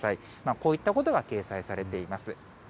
こういったことが掲載されています。